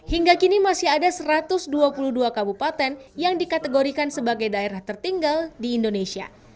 hingga kini masih ada satu ratus dua puluh dua kabupaten yang dikategorikan sebagai daerah tertinggal di indonesia